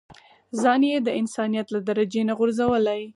ځان يې د انسانيت له درجې نه غورځولی.